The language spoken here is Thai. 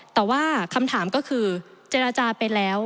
แต่ว่าคำถามก็คือเจรจาไปแล้ว